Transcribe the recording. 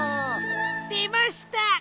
でました！